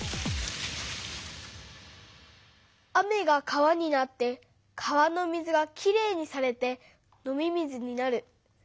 雨が川になって川の水がきれいにされて飲み水になる。